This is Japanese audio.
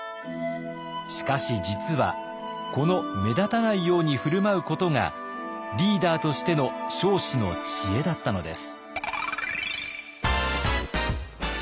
しかし実はこの目立たないように振る舞うことがリーダーとしての彰子の知恵だったのです。